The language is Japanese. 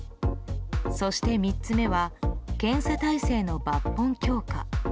そして３つ目は検査体制の抜本強化。